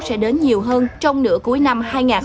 sẽ đến nhiều hơn trong nửa cuối năm hai nghìn hai mươi bốn